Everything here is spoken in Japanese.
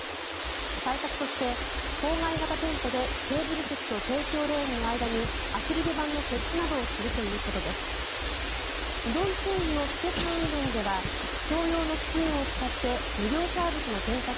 対策として、郊外型店舗でテーブル席と提供レーンの間にアクリル板の設置などをするということです。